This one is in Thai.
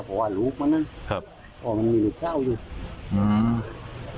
เพราะว่าลูกมันนะครับพ่อมันมีลูกเศร้าอยู่อืม